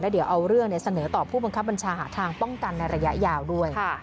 เดี๋ยวเอาเรื่องเสนอต่อผู้บังคับบัญชาหาทางป้องกันในระยะยาวด้วย